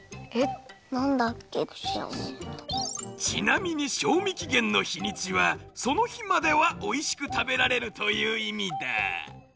ちなみに賞味期限のひにちはその日まではおいしく食べられるといういみだ。